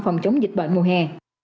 phòng chống dịch bệnh mùa hè